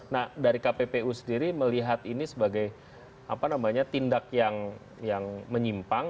nah dari kppu sendiri melihat ini sebagai tindak yang menyimpang